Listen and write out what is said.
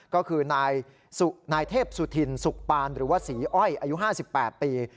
ก็คือนายเทพสุธินสุขปานหรือว่าศรีอ้อยอายุ๕๘ปี